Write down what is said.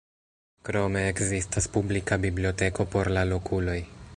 Krome, ekzistas publika biblioteko por la lokuloj.